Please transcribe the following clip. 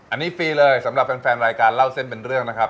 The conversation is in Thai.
อันนี้ฟรีเลยสำหรับแฟนรายการเล่าเส้นเป็นเรื่องนะครับ